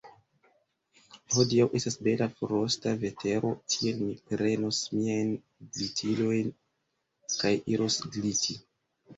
Hodiaŭ estas bela frosta vetero, tial mi prenos miajn glitilojn kaj iros gliti.